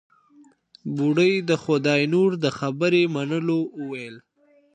بوډۍ د خداينور د خبرې منلو وويل.